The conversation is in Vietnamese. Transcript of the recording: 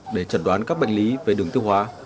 để chẩn đoán các bệnh lý về đường tiêu hóa